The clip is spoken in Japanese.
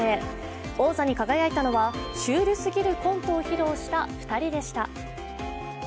王座に輝いたのはシュールすぎるコントを披露した２人でした。